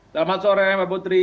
selamat sore mbak putri